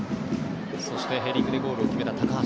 そして、ヘディングでゴールを決めた高橋。